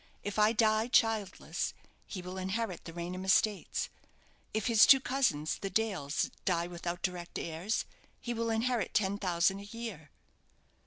If I die childless, he will inherit the Raynham estates. If his two cousins, the Dales, die without direct heirs, he will inherit ten thousand a year."